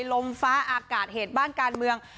ลมฟ้าอากาศเหตุบ้านการเมือง